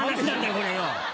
これよ。